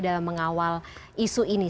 dalam mengawal isu ini